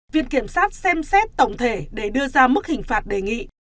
viện kiểm sát xem xét tổng thể để đưa ra mức hình phạt đề nghị